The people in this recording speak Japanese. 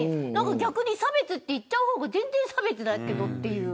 逆に差別と言っちゃう方が全然、差別だけどっていう。